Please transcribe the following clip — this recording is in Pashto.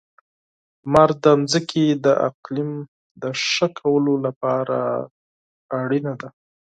• لمر د ځمکې د اقلیم د ښه کولو لپاره اړینه ده.